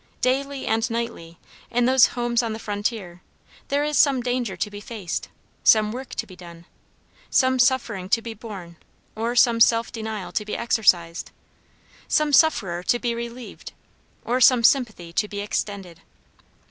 Daily and nightly, in those homes on the frontier, there is some danger to be faced, some work to be done, some suffering to be borne or some self denial to be exercised, some sufferer to be relieved or some sympathy to be extended.